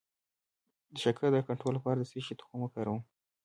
د شکر د کنټرول لپاره د څه شي تخم وکاروم؟